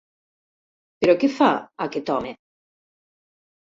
Però què fa, aquest home?